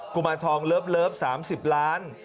ุมารทองเลิฟ๓๐ล้าน